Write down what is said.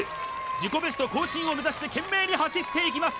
自己ベスト更新を目指して懸命に走っていきます